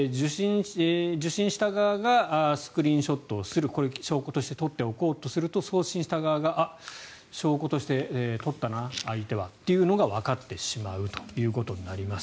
受信した側がスクリーンショットをするこれ、証拠として取っておこうとすると送信した側があ、証拠として相手は撮ったなということがわかってしまうということになります。